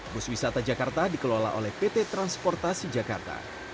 bus wisata jakarta dikelola oleh pt transportasi jakarta